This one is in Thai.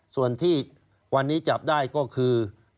ส่วนที่วันนี้จับได้ก็คือ